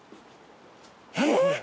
えっ！